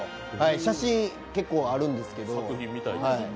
写真、結構あるんですけど。